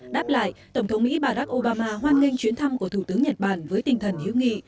đáp lại tổng thống mỹ barack obama hoan nghênh chuyến thăm của thủ tướng nhật bản với tinh thần hữu nghị